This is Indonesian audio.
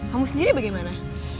kamu sendiri bagaimana